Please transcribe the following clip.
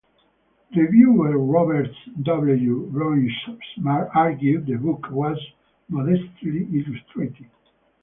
Reviewer Robert W. Bruinsma argued the book was modestly illustrated.